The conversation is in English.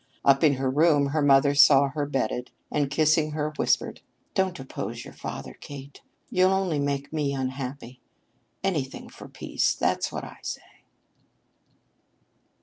Up in her room her mother saw her bedded, and in kissing her whispered, "Don't oppose your father, Kate. You'll only make me unhappy. Anything for peace, that's what I say."